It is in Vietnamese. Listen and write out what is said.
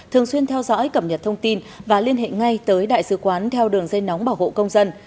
thường xuyên theo dõi cẩm nhật thông tin và liên hệ ngay tới đại sứ quán theo đường dây nóng bảo hộ công dân